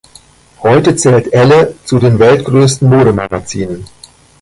Heute zählt "Elle" zu den weltweit größten Modemagazinen.